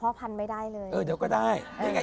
เออเดี๋ยวก็ได้